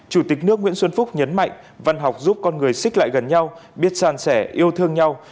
chủ tịch nước nguyễn xuân phúc nhấn mạnh văn học giúp con người xích lại gần nhau biết sàn sẻ yêu thương nhau